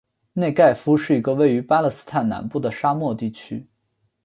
内盖夫是一个位于巴勒斯坦南部的沙漠地区。